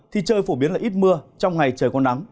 thì trời phổ biến là ít mưa trong ngày trời có nắng